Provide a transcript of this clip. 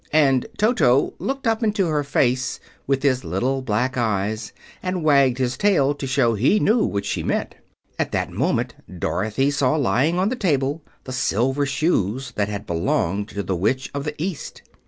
And Toto looked up into her face with his little black eyes and wagged his tail to show he knew what she meant. At that moment Dorothy saw lying on the table the silver shoes that had belonged to the Witch of the East.